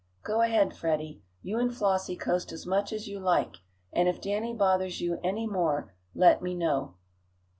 Go ahead, Freddie. You and Flossie coast as much as you like, and if Danny bothers you any more let me know."